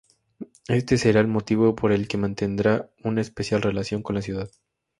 Este será el motivo por el que mantendrá una especial relación con la ciudad.